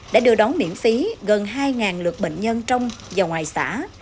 đã đưa đón miễn phí gần hai lượt bệnh nhân trong và ngoài xã